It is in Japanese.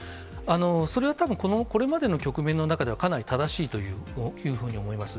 それはたぶん、これまでの局面の中では、かなり正しいというふうに思います。